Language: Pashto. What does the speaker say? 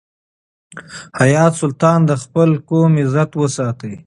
حیات سلطان د خپل قوم عزت وساتی.